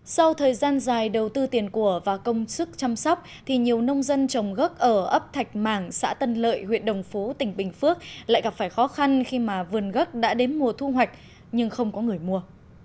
sau thời gian dài đầu tư tiền của và công sức chăm sóc thì nhiều nông dân trồng gốc ở ấp thạch mảng xã tân lợi huyện đồng phú tỉnh bình phước lại gặp phải khó khăn khi mà vườn gốc đã đến mùa thu hoạch nhưng không có người mua